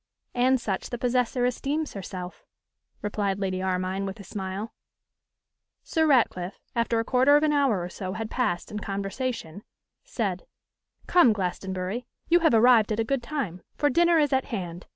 'And such the possessor esteems herself,' replied Lady Armine with a smile. Sir Ratcliffe, after a quarter of an hour or so had passed in conversation, said: 'Come, Glastonbury, you have arrived at a good time, for dinner is at hand.